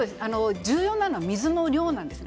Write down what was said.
重要なのは水の量なんです。